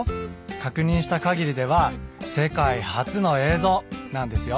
確認した限りでは世界初の映像なんですよ。